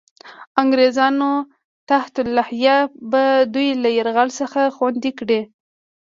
انګرېزانو تحت الحیه به دوی له یرغل څخه خوندي کړي.